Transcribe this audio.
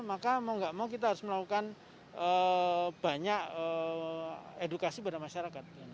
maka mau nggak mau kita harus melakukan banyak edukasi pada masyarakat